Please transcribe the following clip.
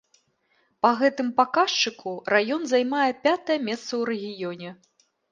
Па гэтым паказчыку раён займае пятае месца ў рэгіёне.